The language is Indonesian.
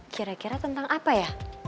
kira kira tentang apa ya